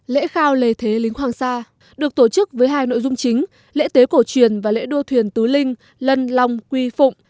lễ khao lề thế lính hoàng sa được tổ chức với hai nội dung chính lễ tế cổ truyền và lễ đua thuyền tứ linh lân long quy phụ